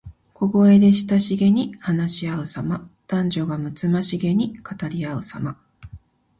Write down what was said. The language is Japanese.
小声で親しげに話しあうさま。男女がむつまじげに語りあうさま。